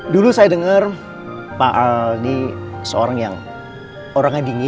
dulu saya dengar pak aldi seorang yang orangnya dingin